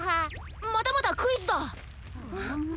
またまたクイズだ！